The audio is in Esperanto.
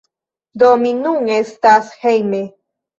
Do, mi nun estas hejme